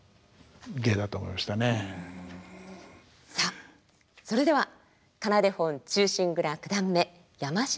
さあそれでは「仮名手本忠臣蔵九段目山科閑居」。